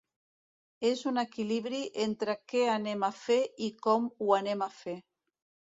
És un equilibri entre què anem a fer i com ho anem a fer.